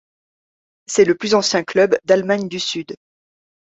C’est le plus ancien club d’Allemagne du Sud.